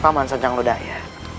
paman senjang lo daya